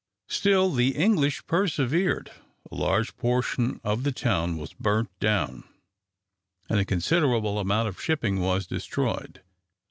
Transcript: Still the English persevered. A large portion of the town was burnt down, and a considerable amount of shipping was destroyed.